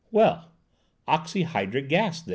"Well, oxyhydric gas, then."